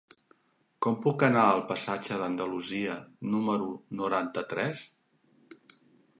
Com puc anar al passatge d'Andalusia número noranta-tres?